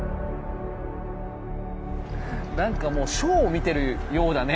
なんかもうショーを見てるようだね